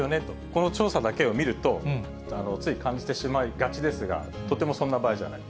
この調査だけを見ると、つい感じてしまいがちですが、とてもそんな場合じゃない。